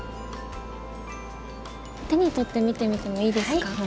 手に取って見てみてもいいですか？